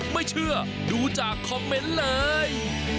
ไม่เชื่อดูจากคอมเมนต์เลย